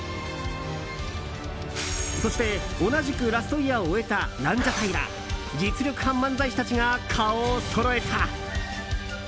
そして、同じくラストイヤーを終えたランジャタイら実力派漫才師たちが顔をそろえた。